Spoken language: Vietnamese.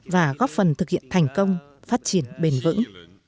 và góp phần thực hiện thành công phát triển bền vững